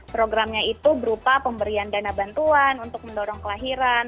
programnya itu berupa pemberian dana bantuan untuk mendorong kelahiran